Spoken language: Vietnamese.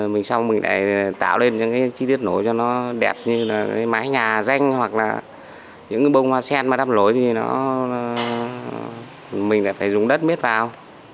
mình xong mình lại tạo lên những chi tiết nổi cho nó đẹp như là mái nhà danh hoặc là những bông hoa sen mà đắp nổi thì mình phải dùng đất miết vào